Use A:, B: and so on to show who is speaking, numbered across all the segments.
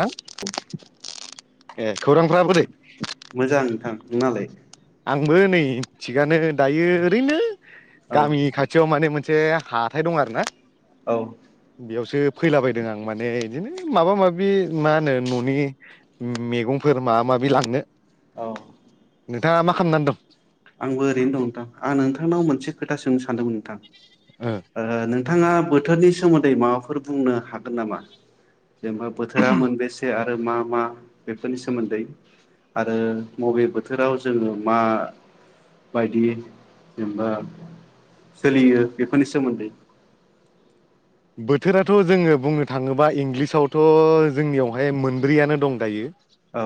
A: हा ए खौरांफोरा बोरै?
B: मोजां नोंथां नोंनालाय?
A: आंबो नै थिगानो दायो ओरैनो
B: औ
A: गामि खाथियाव माने मोनसे हाथाइ दं आ रोना
B: औ
A: बेयावसो फैलाबायदों आं माने बिदिनो माबा माबि मा होनो न'नि मेगंफोर माबा माबि लांनो।
B: औ।
A: नोंथाङा मा खामनानै दं?
B: आंबो ओरैनो दं नोंथां आं नोंथांनाव मोनसे खोथा सोंनो सानदोंमोन नोंथां। ओ नोंथाङा बो थोरनि सोमोन्दै माबाफोर बुंनो हागोन नामा? जेनेबा बोथोरा मोनबेसे आरो आरो मा मा बेफोरनि सोमोन्दै आरो बबे बोथोराव जोङो मा बायदि जेनेबा सोलियो बेफोरनि सोमोन्दै।
A: बोथोराथ' जोङो बुंनो थाङोब्ला इंलिसावथ' जोंनियावहाय मोनब्रैयानो दं दायो।
B: औ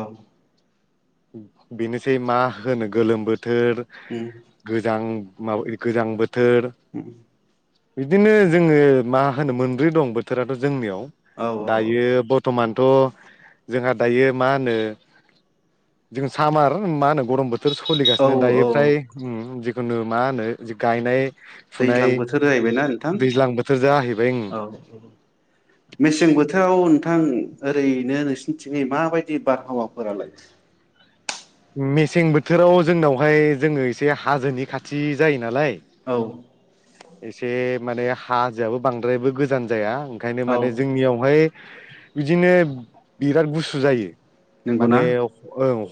A: बेनोसै मा होनो गोलोम बो थोर
B: उम
A: गोजां [unintelligible] गोजां बो थोर बिदिनो जोङो मा होनो मोनब्रै दं बोथोराथ' जोंनियाव
B: औ
A: दायो बथ'मान। थ' जोंहा दायो मा होनो। जों सामार मा होनो गरम बो थोर
B: औ
A: सलिगासिनो
B: औ
A: दायो फ्राय ओं नो मा होनो गायनाय फुनाय
B: दैज्लां बोथोर जाहैबायना नोंथां
A: दैज्लां बोथोर जाहैबाय ओं
B: औ औ मेसें बोथोराव थां ओरैनो नोंसिनिथिङै माबायदि बारहावाफोरालाय?
A: मेसें बोथोराव जोंनावहाय जोङो एसे हाजोनि खाथि जायो नालाय।
B: औ।
A: एसे माने हाजोआबो बांद्रायबो गोजान जाया। ओंखायनो
B: औ
A: माने जोंनियावहाय बिदिनो बिराद गुसु जायो।
B: नंगौना
A: माने औ।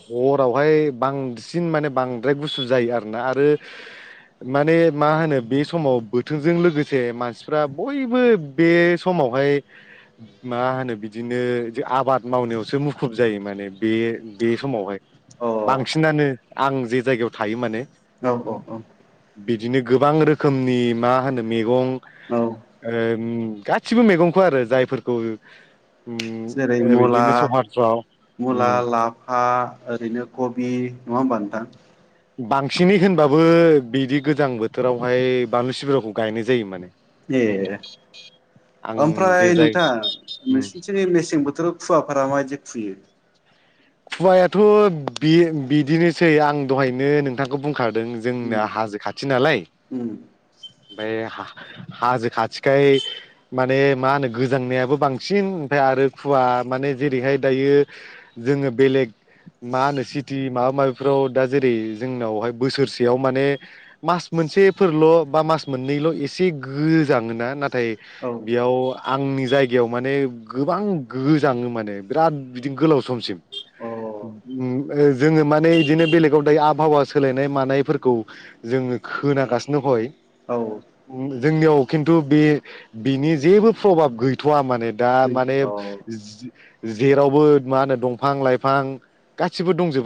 A: हरावहाय बांसिन माने बांद्राय गुसु जायो आरोना आरो माने मा होनो बे समाव बोथोरजों लोगोसे मानसिफ्रा बयबो बे समावहाय मा होनो बिदिनो आबाद मावनायावसो मुखुब जायो माने बे बे समावहाय।
B: अ
A: बांसिनानो। आं जे जायगायाव थायो माने।
B: औ औ औ।
A: बिदिनो गोबां रो खोमनि मा होनो मैगं।
B: औ
A: [unintelligible] गासिबो मैगंखौ आरो जायफोरखौ
B: जेरै मुला
A: बिदिनो सहारफ्राव
B: मुला लाफा ओरैनो कबि नङा होमबा नोंथां।
A: बांसिनै होनबाबो बिदि गोजां बोथोरावहाय बानलु सिब्रखौ गायनाय जायो माने
B: ए
A: आं जे
B: ओमफ्राय
A: जाय
B: नोंथां
A: उम
B: नोंसिनिथिं मेसें बोथोराव खुवा फोरा मायदि खुयो?
A: खुवायाथ' बे बिदिनोसै आं दहायनो नोंथांखौ बुं बुंखारदों
B: उम
A: जोंनाया हाजो खाथि नालाय,
B: उम
A: ओमफ्राय हा हाजो खाथिखाय माने मा होनो गोजांनायाबो बांसिन ओमफ्राय आरो खुवा माने जेरैहाय दायो, जोङो बेलेग मा होनो सिटि माबा माबिफ्राव दा जेरै जोंनावहाय बोसोरसेयाव माने मास मोनसेफोरल' बा मास मोननैल' एसे गोजाङोना नाथ नाथाय
B: औ
A: बेयाव आंनि जायगायाव माने गोबां गोजाङो माने बिराद बिदि गोलाव, समसिम उम ओ जोङो माने बिदिनो बेलेगाव दायो आबहावा सोलायनाय मानायफोरखौ जोङो खोनागासिनो हय
B: औ
A: जोंनियाव खिन्थु बे बिनि जेबो प्रभाब गैथ'वा माने दा माने
B: औ
A: जेरावबो मा होनो दंफां लाइफां गासिबो दंजोब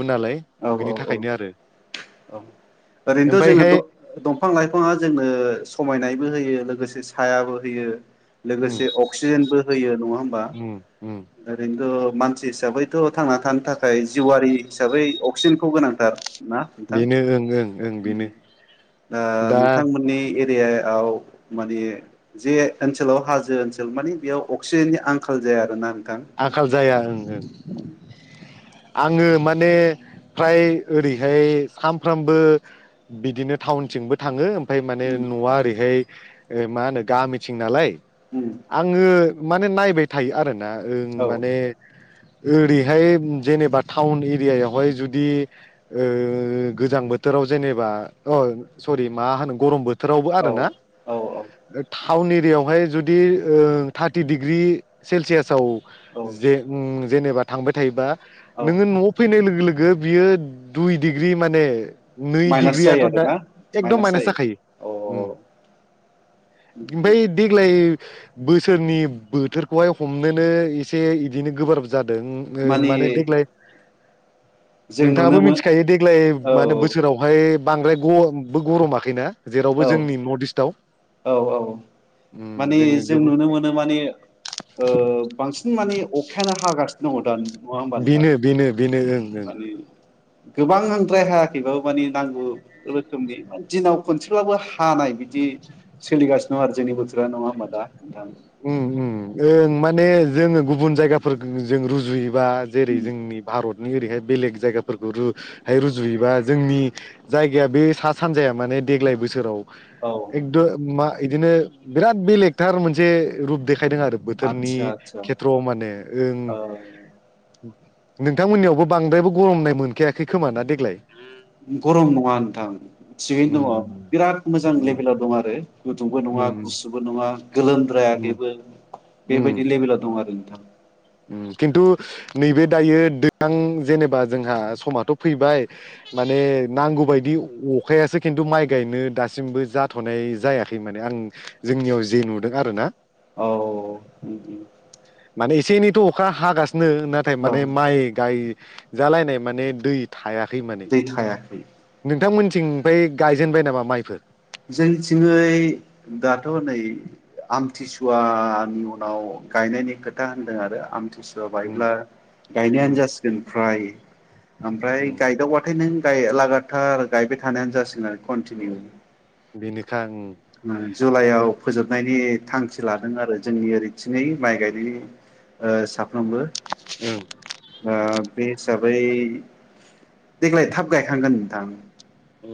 B: औ औ औ औ ओरैनोथ' जोङो
A: ओमफ्रायहाय
B: दं दंफां लाइफाङा जोंनो समायनायबो होयो। लोगोसे सायाबो होयो,
A: उम
B: लोगोसे अक्सिजेनबो होयो नङा होमबा
A: उम उम
B: ओरैनोथ' मानसि हिसाबैथ' थांना थानो थाखाय जिउआरि हिसाबै अक्सिजेनखौ गोनांथार, ना नोंथां
A: बेनो ओं ओं ओं बेनो
B: उम ओ
A: दा
B: नोंथांमोननि एरि एरियाव माने जे ओनसोलाव हाजो ओनसोल माने बेयाव अक्सिजेननि आंखाल जाया आरोना नोंथां
A: आंखाल जाया ओं ओं
B: उम
A: आङो माने फ्राय ओरैहाय सानफ्रामबो बिदिनो टाउनथिंबो थाङो ओमफाय माने नुआ ओरैहाय ओ मा होनो गामिथिं नालाय
B: उम
A: आङो माने नायबाय थायो आरो ना,
B: औ
A: ओं माने ओरैहाय जेनेबा टाउन एरियायावहाय जुदि ओ गोजां बोथोराव जेनेबा अ सरि मा होनो गरम बोथ बोथोरावबो
B: औ
A: आरोना ओ
B: औ
A: था टाउन एरियायावहाय जुदि ओ थार्टि डिग्रि सेलसियासाव,
B: औ
A: जे उम जेनेबा थांबाय थायोबा
B: औ
A: नोङो न'आव फैनाय लोगो लोगो गो बियो दुइ डिग्रि माने नै
B: माइनास
A: डिग्रियाथ'
B: जायो
A: दा
B: आरोना
A: एकदम माइनास
B: जायो
A: जाखायो
B: अ
A: ओमफ्राय देग्लाय बोसोरनि बोथोरखौहाय हमनोनो इसे इदिनो गोब्राब जादों माने देग्लाय
B: जों नुनो
A: नोंथाङाबो
B: मोन
A: मिथिखायो देग्लाय
B: औ
A: माने बोसोरावहाय बांद्राय गमबो गरमाखैना
B: औ
A: जेरावबो जोंनि नर्थ इस्टआव
B: औ औ
A: उम
B: माने
A: जोङो
B: जों
A: गोबां
B: नुनो मोनो माने ओ बांसिन माने अखायानो हागासिनो दङ दानि
A: बेनो बेनो बेनो ओं
B: मानि गोबां हांद्राय हायाखैबाबो मान नांगौ रोखोमनि दिनाव खनसेब्लाबो हानाय बिदि सोलिगासिनो दं आरो जोंनि बोथोरा नङा हा दा नोंथां
A: ओम ओम ओं माने जोङो गुबुन जायगाफोर जों रुजुयो बा जेरै जोंनि भारत ओरैहाय बेलेग जायगाफोरखौ रुहाय रुजुयोबा जोंनि जायगाया बे सा सानजाया माने देग्लाय बोसोराव
B: औ
A: एकदम मा बिदिनो बिराद बेलेखथार मोनसे रुप दे खायदों आरो बोथोरनि
B: आदसा आदसा
A: खेथ्रआव माने ओं
B: औ
A: नोंथांमोननियावबो बांद्रायबो गरमनाय मोनखायाखै खोमा ना देग्लाय
B: गरम नङा नोंथां थिगैनो
A: उम
B: दङ बिराद मोजां
A: उम
B: लेभेलाव दं आरो गुदुंबो नङा
A: उम
B: गुसुबो नङा गोलोमद्राय दा बेबो बेबायदि
A: उम
B: लेबेलाव दङ आरो नोंथां
A: उम खिन्थु नैबे दायो दैज्लां जेनेबा जोंहा समाथ' फैबाय माने नांगौबायदि अखायासो खिन्थु माइ गायनो दासिमबो जाथ'नाय जायाखै माने आं जोंनियाव जे नुदों आरो ना
B: औ
A: माने एसे एनै थ' अखा हागा गासि सिनो नाथाय
B: औ
A: माने माइ गाय जालायनाय माने दै थाया माने
B: दै थायाखै
A: नोंथांमोनथिं ओमफ्राय गायजेनबाय नामा माइफोर
B: जोंथिङै दाथ' नै आमथिसुवानि उनाव गायनायनि खोथा होनदों आरो आमथिसुवा
A: उम
B: बायब्ला
A: उम
B: गायनायानो जासिगोन फ्राय ओमफ्राय
A: उम
B: गाइदावबाथाय नों लागाथार गायबाय थानायानो जासिगोन आरो कन्टिनिउ
A: बेनि थां
B: जुलाइआव फोजोबनायनि थांखि लादों आरो जोंनि ओरैथिङै माइ गायनाय साफ्रोमबो
A: उम
B: साफ्रोमबो आ बे हिसाबै देग्लाय थाब गायखांगोन नोंथां
A: उ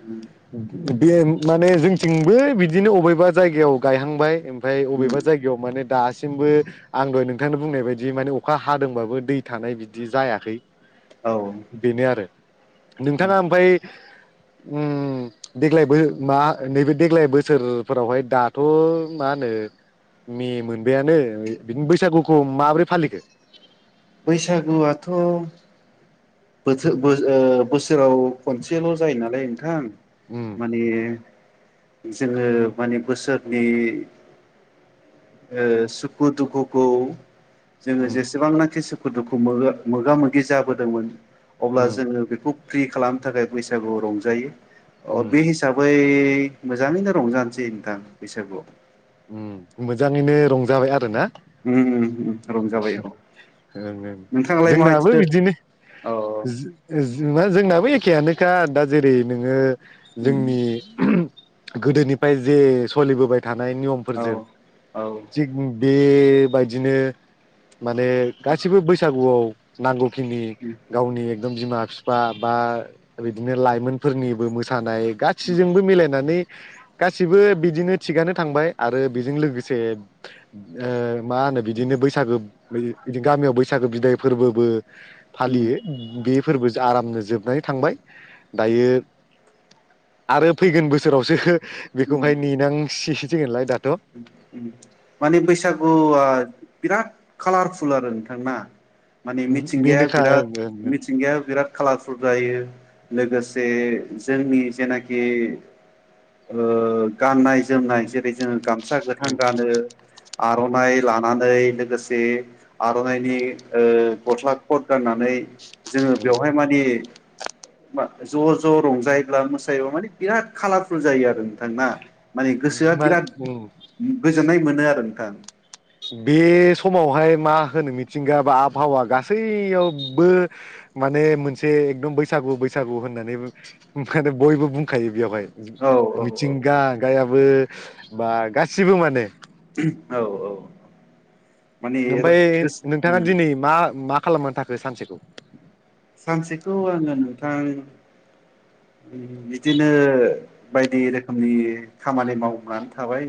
B: उ
A: बे माने जोंथिंबो बिदिनो अबेबा जायगायाव गायहांबाय ओमफ्राय बबेब जाय गायाव माने दासिमबो दासिमबो आंबो नोंथांनो बुंनाय बायदि माने अखा हादोंबाबो दै थानाय बिदि जायाखै।
B: औ औ
A: बेनो आरो नों नोंथाङा ओमफफ्राय ओम देग्लाय मा नैबे देग्लाय बोसोरफोरावहाय दाथ' मा होनो मे मोनबायानो बिदिनो बैसागुखौ माबोरै फालिखो
B: बैसागुआथ' बोथो बो ओ बोसोराव खनसेल' जायो नालाय नोंथां
A: उम
B: माने जोङो माने बोसोरनि ओ सुखु दुखुखौ जोङो
A: उम
B: जेसेबांनाखि सुखु दुखु मोगा मोगि जाबोदोंमोन अब्ला
A: उम
B: जोङो बेखौ फ्रि खालामनो थाखाय बैसागु रंजायो अ
A: उम
B: बे हिसाबै मोजाङैनो रंजानोसै नोंथां बैसागुआव।
A: ओम मोजाङैनो रंजाबाय आरो ना?
B: ओम ओम ओ रंजाबाय औ
A: ओं ओं
B: नोंथाङालाय
A: जोंनाबो बिदिनो
B: माबायदिथो औ
A: जोंनाबो एखेआानोखा दा जेरै नोङो
B: उम
A: जोंनि गोदोनिफ्राय जे सोलिबोबाय थानायनि
B: औ
A: [unintelligible] बेबायदिनो माने गासिबो बैसागुआव [unintelligible] [unintelligible]
B: उम
A: गावनि बिमा बिफा बा बिदिनो लाइमोनफोरनिबो मोसानाय गासिजोंबो मिलायनानै गासिबो बिदिनो थिगानो थांबाय आरो बेजों लोगोसे ओ मा होनो बिदिनो बैसागो बिदि गामियाव बैसागो बिदाय फोरबोबो
B: उम
A: फालियो बे फोरबो आरामनो जोबनानै थांबाय दायो आरो फैगोन बोसोरावसो
B: उम
A: बेखौहाय
B: उम
A: नेनांसि [unintelligible]
B: माने बैसागुआ बिराद कालारफुल आरो नोंथां ना माने मिथिंगाया
A: बेनोखा
B: बिराद
A: ओं ओं
B: मिथिंगाया बिराद कालारफुल जायो लोगोसे जोंनि जेनाखि गाननाय जोमनाय जेरै जोङो गाम सा गोथां
A: ओं
B: गानो आर'नाइ लानानै लोगोसे आर'नाइनि गस्ला ख'द गाननानै जोङो
A: ओं
B: बेवहाय मानियो मा ज' ज' रंजायोब्ला मोसायोब्ला माने बिराद कालारफुल जायो आरो नोंथां ना माने
A: ओं
B: गोसोआ
A: मा
B: बिराद
A: ओम
B: गोजोननाय मोनो आरो नोंथां
A: बे समावहाय मा होनो मिथिंगा बा आबहावा गासैयावबो माने मोनसे एकदम बैसागु बैसागु होननानै माने बयबो बुंखायो बेयावहाय
B: औ
A: मिथिंगा गायाबो बा गासिबो माने
B: औ औ माने
A: ओमफ्राय नोंथाङा
B: गोसो
A: दिनै मा मा खालामना थाखो सानसेखौ
B: सानसेखौ आङो नोंथां बिदिनो बायदि रोखोमनि खामानि मावनानै थाबाय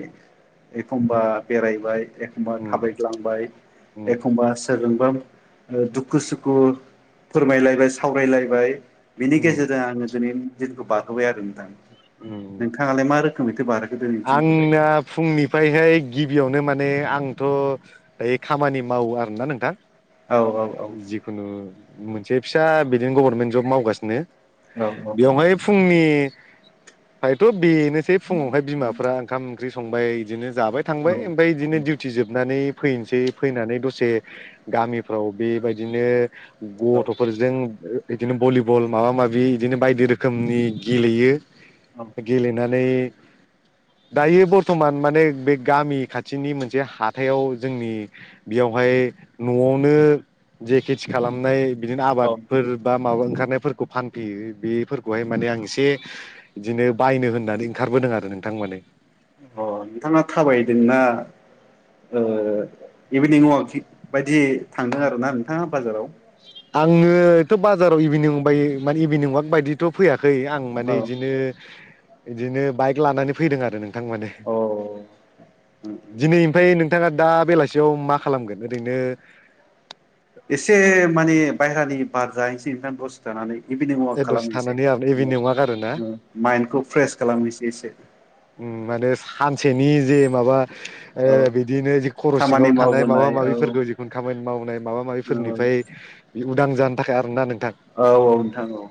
B: एखमबा बेरायबाय एखमबा
A: उम
B: थाबायग्लांबाय
A: उम
B: एखमबा सोरजों बा दुखु सुखु फोरमायलायबाय सावरायलायबाय बिनि
A: उम
B: गेजेरजों आं दिनैनि दिनखौ बारहोबाय आरो नोंथां
A: उम
B: नोंथाङालाय मा रोखोमैथो बार [unintelligible]
A: आंना फुंनिफ्रायहाय गिबियावनो माने माने आंथ ओइ खामानि मावो आरोना नोंथां।
B: औ औ
A: जिखुनु मोनसे फिसा बिदिनो गभारमेन्ट जब मावगासिनो
B: औ
A: बेवहाय फुंनि आयथ बेनोसै फुङावहाय बिमाफ्रा ओंखाम ओंख्रि संबाय बिदिनो जाबाय थांबाय ओमफाय बिदिनो दिउटि जोबनानै फैनोसै फैनानै दसे गामिफ्राव बेबायदिनो गथ फोरजों बिदिनो भलिबल माबा माबि बिदिनो बायदि रोखोमनि गेलेयो।
B: औ
A: गेलेनानै दायो बर्थमान माने बे गामि खाथिनि मोनसे हाथायाव जोंनि बेयावहाय नआवनो जे खिथि खालामनाय बिदिनो
B: औ
A: आबादफोर बा माबा ओंखारनायफोरखौ फानफैयो बेफोरखौहाय माने आं एसे बिदिनो बायनो होननानै ओंखारबोदों आरो नोंथां माने।
B: अ नोंथाङा थाबायदोंना इभिनिं अवाक बायदि थांदों आरो ना नोंथाङा बाजाराव?
A: आङोथ बाजाराव इभिनिं बाय माने इभिनिं वाक बायदिथ फैया खै आं
B: औ
A: माने बिदिनो इदिनो बाइक लानानै फैदों आरो नों थां माने
B: औ
A: दिनै ओमफ्राय नों नोंथाङा दा बेलासियाव मा खालामगोन ओरैनो
B: एसे माने बायहानि बार जाहैसै ओंख दसि थानानै। इभिनिं वाक
A: दसे
B: खालामनोसै
A: थानानै आरो
B: उं
A: इभिनिं वाक आरो ना
B: उं माइन्दखौ फ्रेस खालामनोसै। बेसे
A: उम मानो सानसेनि जे माबा ओ
B: औ
A: बिदिनो खर जि सिङाव
B: खामानि
A: थानाय माबा
B: मावबोनाय औ
A: माबिफोरखौ जिखुनु खामानि मावनाय माबा
B: औ
A: माबिफोरनिफ्राय बि उदां जानो थाखाय आरो ना नों
B: औ औ नोंथां औ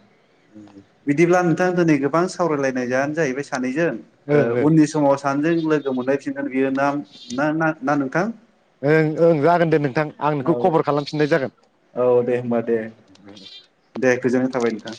B: बिदिब्ला नोंथां दिनै गोबां सो सावरायलायनायानो जाहैबाय। सानैजों
A: ओं
B: ओ
A: ओं
B: उननि समाव सानैजों लोगो मोननाय फि [unintelligible] बियो ना ना ना नोंथां
A: ओं ओं जागोन दे नोंथां आं नोंखौ
B: औ
A: खबर खालामफिननाय जागोन
B: औ दे होमबा दे दे गोजोनाय थाबाय नोंथां